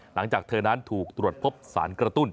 หลังจากเธอนั้นถูกตรวจพบสารกระตุ้น